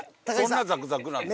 そんなザクザクなんですか。